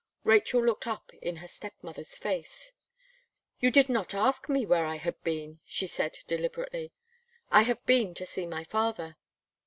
Rachel looked up in her step mother's face. "You did not ask me where I had been," she said deliberately. "I have been to see my father."